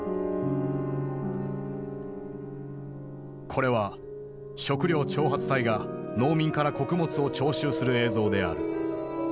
これは食糧徴発隊が農民から穀物を徴収する映像である。